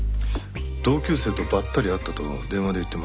同級生とばったり会ったと電話で言ってました。